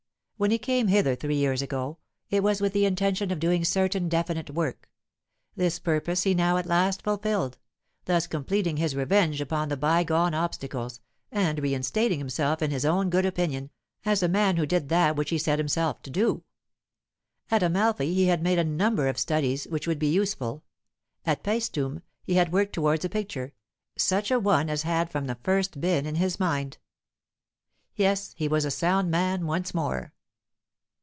When he came hither three years ago, it was with the intention of doing certain definite work; this purpose he now at last fulfilled, thus completing his revenge upon the by gone obstacles, and reinstating himself in his own good opinion, as a man who did that which he set himself to do. At Amalfi he had made a number of studies which would be useful; at Paestum he had worked towards a picture, such a one as had from the first been in his mind. Yes, he was a sound man once more.